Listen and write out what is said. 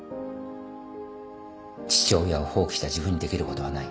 父親を放棄した自分にできることはない。